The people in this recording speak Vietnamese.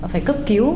phải cấp cứu